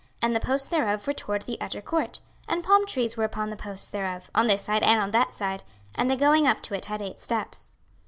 26:040:037 And the posts thereof were toward the utter court; and palm trees were upon the posts thereof, on this side, and on that side: and the going up to it had eight steps.